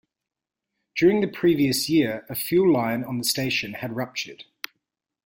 During the previous year a fuel line on the station had ruptured.